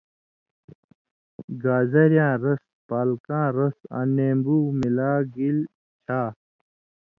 گازریاں رس، پالکاں رس، آں نیمبُو ملا گیل چھا۔